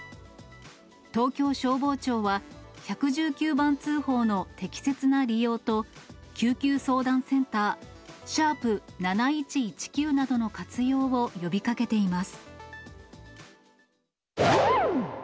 東京消防庁は、１１９番通報の適切な利用と、救急相談センター、＃７１１９などの活用を呼びかけています。